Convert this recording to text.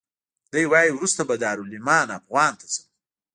دی وایي وروسته به دارالایمان افغان ته ځم.